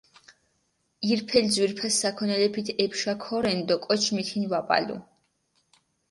ირფელი ძვირფასი საქონელეფით ეფშა ქორენ დო კოჩი მითინი ვეპალუ.